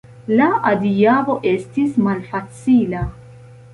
La adiaŭo estis malfacila.